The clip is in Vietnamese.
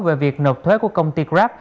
về việc nộp thuế của công ty grab